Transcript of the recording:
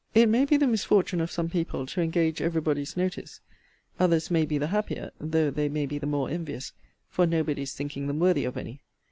It may be the misfortune of some people to engage every body's notice: others may be the happier, though they may be the more envious, for nobody's thinking them worthy of any.